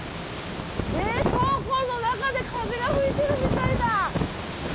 冷凍庫の中で風が吹いてるみたいだ！